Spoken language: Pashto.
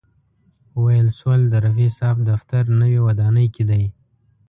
ویل شول د رفیع صاحب دفتر نوې ودانۍ کې دی.